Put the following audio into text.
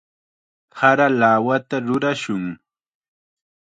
Sara lawata rurashun.